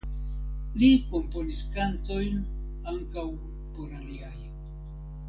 Li komponis kantojn ankaŭ por aliaj.